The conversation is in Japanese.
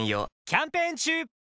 キャンペーン中！